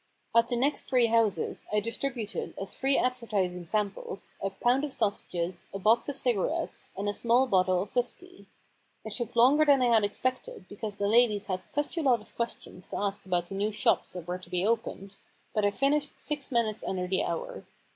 At the next three houses I distributed as free advertising samples a pound of sausages, a box of cigar ettes, and a small bottle of whisky. It took longer than I had expected, because the ladies had such a lot of questions to ask about the i6i The Problem Club new shops that were to be opened, but I finished six minutes under the hour.